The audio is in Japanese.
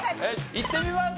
いってみます？